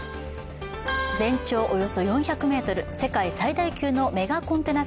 全長およそ４００ｍ、世界最大級のメガコンテナ